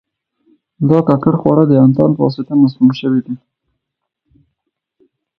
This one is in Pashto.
دا ککړ خواړه د انتان په واسطه مسموم شوي دي.